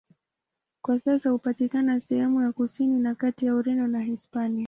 Kwa sasa hupatikana sehemu ya kusini na kati ya Ureno na Hispania.